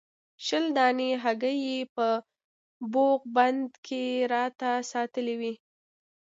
شل دانې هګۍ یې په بوغ بند کې راته ساتلې وې.